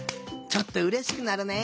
ちょっとうれしくなるね。